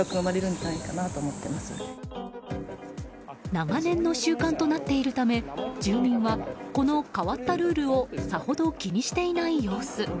長年の習慣となっているため住民は、この変わったルールをさほど気にしていない様子。